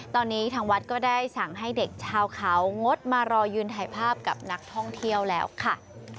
ตอนนี้ทางวัดก็ได้สั่งให้เด็กชาวเขางดมารอยืนถ่ายภาพกับนักท่องเที่ยวแล้วค่ะ